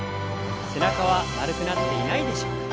背中は丸くなっていないでしょうか？